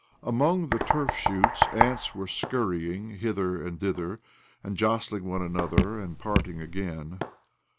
Among the turf shoots ants were scurrying hither and thither, and jostling one another, and parting again.